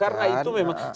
karena itu memang